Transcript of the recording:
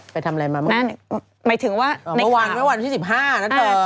ไปทำอะไรมาเมื่อกี้หมายถึงว่าในข้าวเมื่อวันวันที่๑๕นะเธอ